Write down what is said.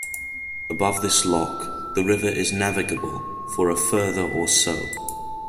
Above this lock, the river is navigable for a further or so.